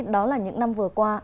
đó là những năm vừa qua